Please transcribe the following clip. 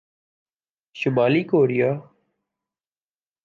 شمالی کوریا